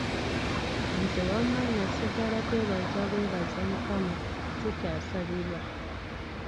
Nze wamma nasigala kwebaza bwebaza Mukama, sikyasabirwa.